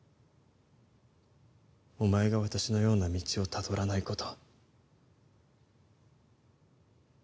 お前が私のような道をたどらないこと。